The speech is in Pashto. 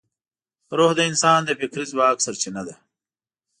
روح د انسان د فکري ځواک سرچینه ده.